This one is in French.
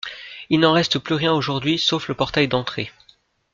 Il n’en reste plus rien aujourd’hui sauf le portail d’entrée.